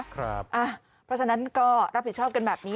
เพราะฉะนั้นก็รับผิดชอบกันแบบนี้